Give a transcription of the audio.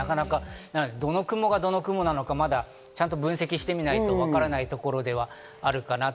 どの雲がどの雲なのか、まだちゃんと分析してみないと分からないところではあるかなと。